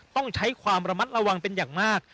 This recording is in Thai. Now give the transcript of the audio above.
ต้องใช้ความระมัดระวังเป็นอย่างมาก